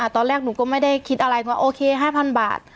ตอนแรกหนูก็ไม่ได้คิดอะไรว่าโอเค๕๐๐บาท